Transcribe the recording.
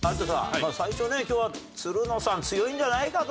まあ最初ね今日はつるのさん強いんじゃないかと。